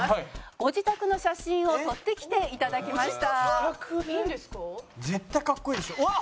ご自宅のキッチンを動画で撮ってきていただきました。